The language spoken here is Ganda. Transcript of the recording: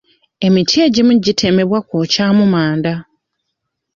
Emiti egimu gitemebwa kwokyamu manda.